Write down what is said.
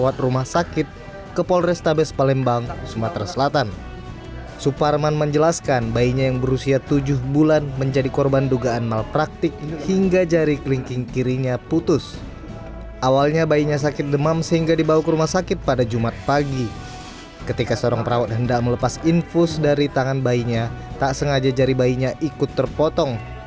tak sengaja jari bayinya ikut terpotong